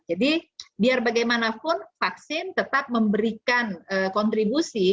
jadi biar bagaimanapun vaksin tetap memberikan kontribusi